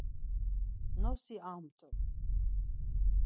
Nosi amt̆u.